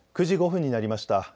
９時５分になりました。